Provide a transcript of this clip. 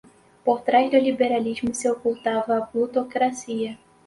por trás do liberalismo se ocultava a plutocracia